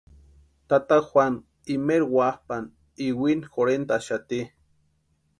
Tata Juanu imaeri wapʼani iwini jorhentʼaxati.